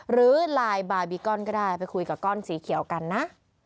หรือไลน์บาร์บีกอนก็ได้ไปคุยกับก้อนสีเขียวกันนะ